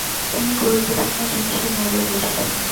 তিনি গুরুত্বপূর্ণ জিনিসের মূল্য বুঝতেন।